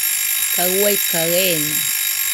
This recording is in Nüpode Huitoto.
Kaɨ ua kaɨ eeno.